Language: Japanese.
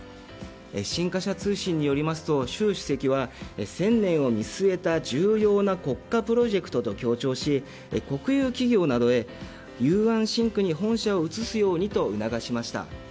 新華社通信によりますと習主席は１０００年を見据えた重要な国家プロジェクトと強調し国有企業などへ雄安新区に本社を移すようにと促しました。